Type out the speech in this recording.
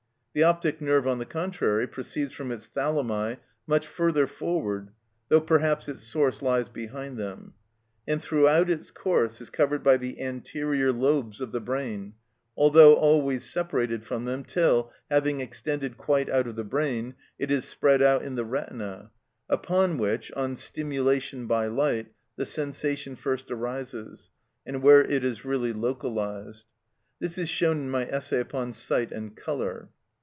The optic nerve, on the contrary, proceeds from its thalami much further forward (though perhaps its source lies behind them), and throughout its course is covered by the anterior lobes of the brain, although always separated from them till, having extended quite out of the brain, it is spread out in the retina, upon which, on stimulation by light, the sensation first arises, and where it is really localised. This is shown in my essay upon sight and colour.